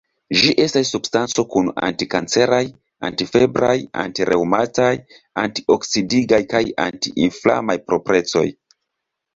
Ĝi estas substanco kun anti-kanceraj, anti-febraj, anti-reŭmataj, anti-oksidigaj kaj anti-inflamaj proprecoj.